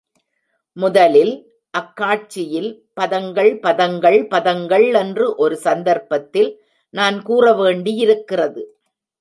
முதலில், அக்காட்சியில் பதங்கள், பதங்கள், பதங்கள்! என்று ஒரு சந்தர்ப்பத்தில் நான் கூற வேண்டியிருக்கிறது.